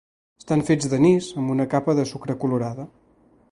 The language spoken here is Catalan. Estan fets d'anís amb una capa de sucre colorada.